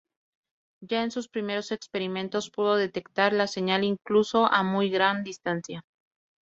Ya en sus primeros experimentos pudo detectar la señal incluso a muy gran distancia.